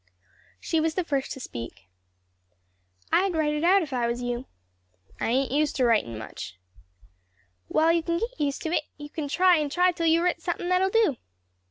She was the first to speak. "I'd write it out if I was you." "I ain't used to writin' much." "Well, you can get used to it; you can try and try till you've writ somethin' that'll do."